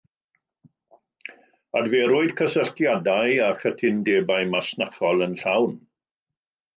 Adferwyd cysylltiadau a chytundebau masnachol yn llawn.